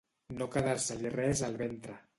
No quedar-se-li res al ventre.